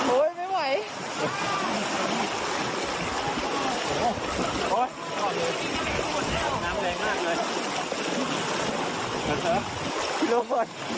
โอ้ยไม่ไหว